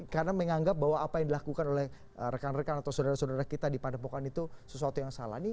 karena menganggap bahwa apa yang dilakukan oleh rekan rekan atau saudara saudara kita di pandemokan itu sesuatu yang salah